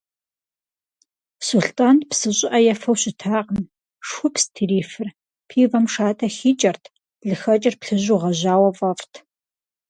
Сулътӏан псы щӏыӏэ ефэу щытакъым, шхупст ирифыр, пивэм шатэ хикӏэрт, лыхэкӏыр плъыжьу гъэжьауэ фӏэфӏт.